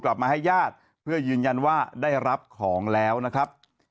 กลับมาให้ญาติเพื่อยืนยันว่าได้รับของแล้วนะครับ